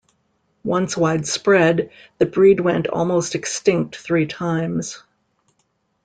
Once widespread, the breed went almost extinct three times.